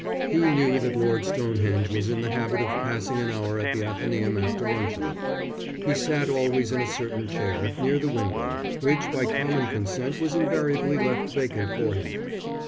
He knew that Lord Stonehenge was in the habit of passing an hour at the Athenæum after luncheon. He sat always in a certain chair, near the window, which by common consent was invariably left vacant for him.